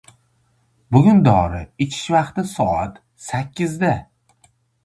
Ammo so‘zlar ko‘pligi fikrni chalajon qiladi.